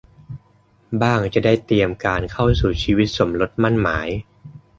บ้างจะได้เตรียมการเข้าสู่ชีวิตสมรสหมั้นหมาย